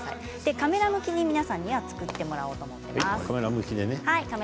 カメラ向きに皆さんには作ってもらおうと思っています。